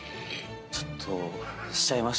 ちょっとしちゃいました。